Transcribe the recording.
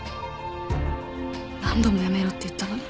何度もやめろって言ったのに。